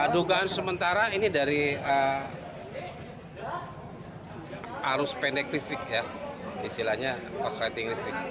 dugaan sementara ini dari arus pendek listrik ya istilahnya korsleting listrik